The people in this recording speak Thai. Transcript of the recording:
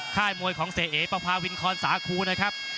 ค่ายมวยของเศรษฐ์ประพาวินคอนสาครูนะครับ